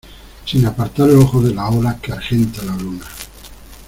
sin apartar los ojos de las olas que argenta la luna: